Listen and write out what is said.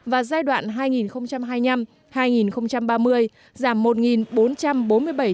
và giai đoạn hai nghìn hai mươi năm hai nghìn ba mươi giảm một bốn trăm bốn mươi bảy